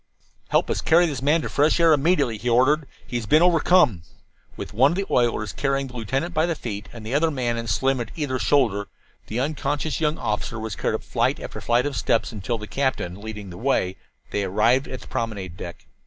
"Help us carry this man to fresh air immediately," he ordered. "He has been overcome." With one of the oilers carrying the lieutenant by the feet, and the other man and Slim at either shoulder, the unconscious young officer was carried up flight after flight of steps until, the captain leading the way, they arrived at the promenade deck.